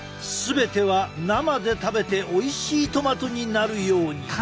全ては生で食べておいしいトマトになるように。